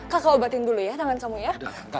kakak obatin dulu ya tangan kamu ya